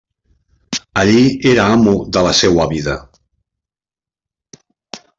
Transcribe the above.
Allí era amo de la seua vida.